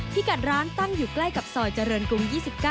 กัดร้านตั้งอยู่ใกล้กับซอยเจริญกรุง๒๙